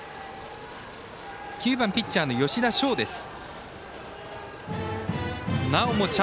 ９番、ピッチャーの吉田翔です。